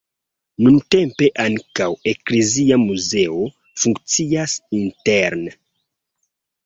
Nuntempe ankaŭ eklezia muzeo funkcias interne.